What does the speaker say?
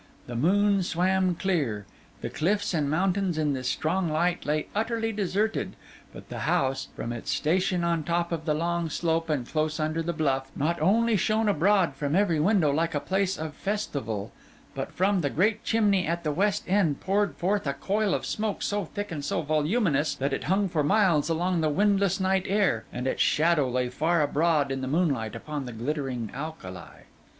The moon swam clear; the cliffs and mountains in this strong light lay utterly deserted; but the house, from its station on the top of the long slope and close under the bluff, not only shone abroad from every window like a place of festival, but from the great chimney at the west end poured forth a coil of smoke so thick and so voluminous, that it hung for miles along the windless night air, and its shadow lay far abroad in the moonlight upon the glittering alkali.